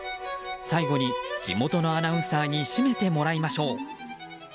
最後に地元のアナウンサーに締めてもらいましょう。